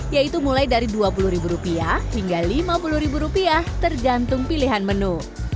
yaitu mulai dari dua puluh ribu rupiah hingga lima puluh ribu rupiah tergantung pilihan menu